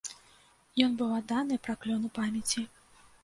Ён быў адданы праклёну памяці.